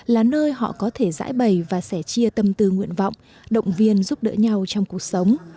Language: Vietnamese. là nơi họ có thể giải bày và sẻ chia tâm tư nguyện vọng động viên giúp đỡ nhau trong cuộc sống